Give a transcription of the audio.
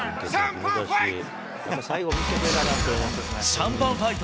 シャンパンファイト！